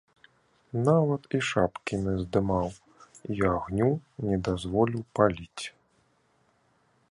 Нават і шапкі не здымаў і агню не дазволіў паліць.